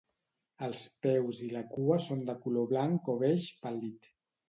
Els peus i la cua són de color blanc o beix pàl·lid.